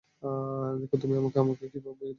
দেখো তুমি আমাকে আমাকে কীভাবে ভয় দেখানোর চেষ্টা করছ।